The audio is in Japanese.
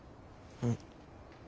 うん。